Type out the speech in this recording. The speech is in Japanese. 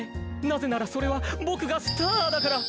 なぜならそれはぼくがスターだから。